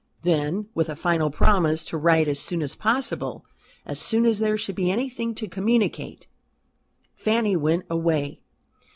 Then, with a final promise to write as soon as possible as soon as there should be anything to communicate Fanny went away.